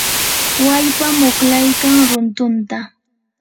wallpam uqlaykan runtunta.